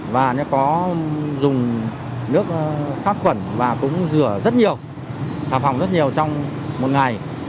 và nó có dùng nước sát khuẩn và cũng rửa rất nhiều xà phòng rất nhiều trong một ngày